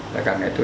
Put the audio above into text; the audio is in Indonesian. dan karena itu